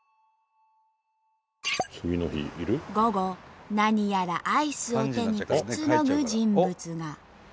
午後何やらアイスを手にくつろぐ人物が。